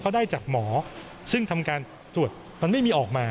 เขาได้จากหมอซึ่งทำการตรวจมันไม่มีออกมา